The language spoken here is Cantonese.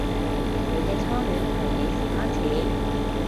你嘅初戀係幾時開始